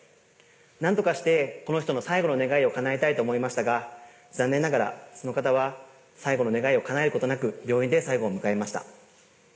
何とかしてこの人の最後の願いを叶えたいと思いましたが残念ながらその方は最後の願いを叶えることなく病院で最後を迎えました。